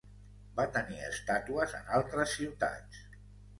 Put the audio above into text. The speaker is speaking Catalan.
Va tenir estàtues en altres ciutats.